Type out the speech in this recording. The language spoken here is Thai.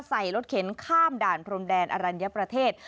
ใส่รถเข็นข้ามด่านพรมแดนอรัญญประเทศ